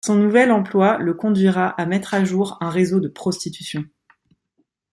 Son nouvel emploi le conduira à mettre à jour un réseau de prostitution.